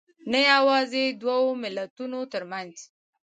نه یوازې دوو ملتونو تر منځ